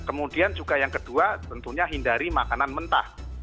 kemudian juga yang kedua tentunya hindari makanan mentah